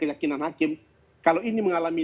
keyakinan hakim kalau ini mengalami